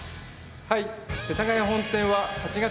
はい。